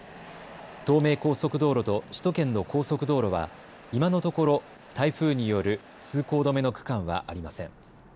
東名高速道路と首都圏の高速道路は今のところ台風による通行止めの区間はありません。